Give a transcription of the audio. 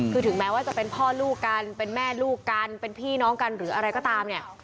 คือถึงแม้ว่าจะเป็นพ่อลูกกันเป็นแม่ลูกกันเป็นพี่น้องกันหรืออะไรก็ตามเนี่ย